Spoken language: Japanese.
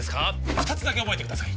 二つだけ覚えてください